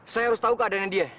saya harus tahu keadaannya dia